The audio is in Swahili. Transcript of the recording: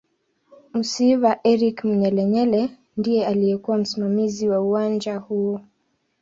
Musiiwa Eric Manyelenyele ndiye aliyekuw msimamizi wa uwanja huo